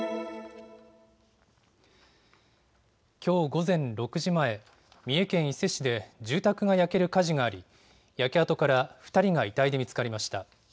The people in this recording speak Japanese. きょう午前６時前、三重県伊勢市で住宅が焼ける火事があり焼け跡から２人が遺体で見つかりました。